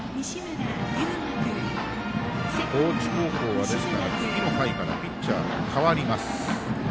高知高校は、次の回からピッチャーが変わります。